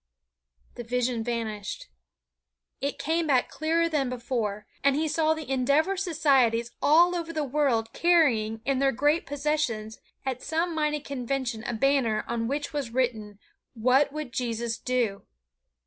The vision vanished. It came back clearer than before, and he saw the Endeavor Societies all over the world carrying in their great processions at some mighty convention a banner on which was written, "What would Jesus do?"